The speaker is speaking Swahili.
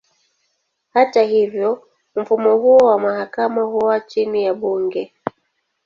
Hata hivyo, mfumo huo wa mahakama huwa chini ya bunge.